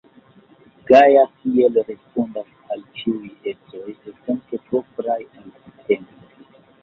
Gaja tiel respondas al ĉiuj ecoj esence propraj al sistemo.